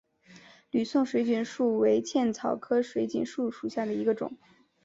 吕宋水锦树为茜草科水锦树属下的一个种。